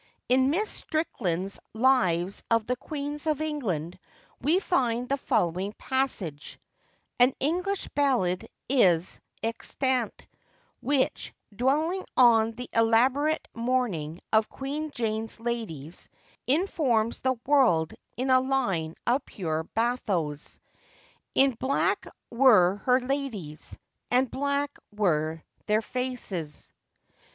In Miss Strickland's Lives of the Queens of England, we find the following passage: 'An English ballad is extant, which, dwelling on the elaborate mourning of Queen Jane's ladies, informs the world, in a line of pure bathos, In black were her ladies, and black were their faces.